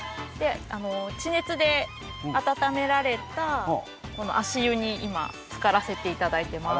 地熱で温められたこの足湯に今つからせていただいてます。